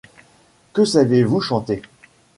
Que savez-vous chanter ?